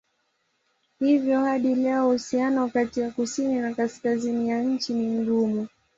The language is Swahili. Hivyo hadi leo uhusiano kati ya kusini na kaskazini ya nchi ni mgumu.